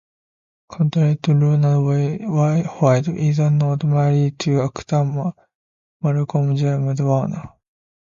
Contrary to rumors, White is not married to actor Malcolm-Jamal Warner.